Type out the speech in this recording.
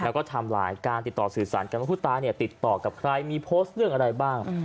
แล้วก็ทำลายการติดต่อสื่อสารกันว่าผู้ตายติดต่อกับใครมีโพสต์เรื่องอะไรบ้าง